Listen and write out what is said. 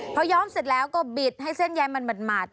พอย้อมเสร็จแล้วก็บิดให้เส้นใยมันหมัด